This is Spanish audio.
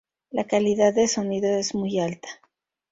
La calidad de sonido es muy alta.